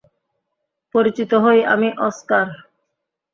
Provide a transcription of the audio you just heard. পরিচিত হই, আমি অস্কার।